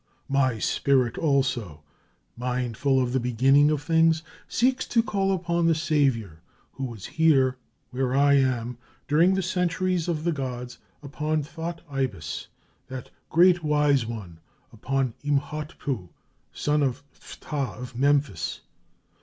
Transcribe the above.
My spirit also, mindful of the beginning of things, seeks to call upon the savior who was here where I am, during the centuries of the gods, upon Thot Ibis, that great wise one, upon Imhotpu, son of Phtah of Memphis.